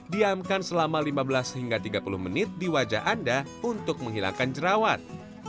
diamkan selama lima belas hingga tiga puluh menit di wajah anda untuk menghilangkan jerawat